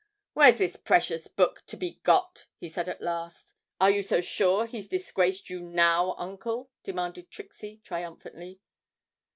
'Where's this precious book to be got?' he said at last. 'Are you so sure he's disgraced you, now, Uncle?' demanded Trixie triumphantly.